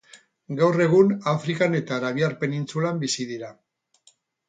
Gaur egun Afrikan eta Arabiar Penintsulan bizi dira.